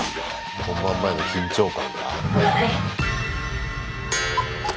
本番前の緊張感か？